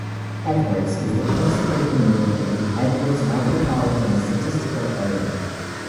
Edwards is the principal community of the Edwards Micropolitan Statistical Area.